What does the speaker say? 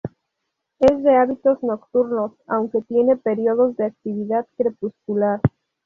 Es de hábitos nocturnos aunque tiene periodos de actividad crepuscular.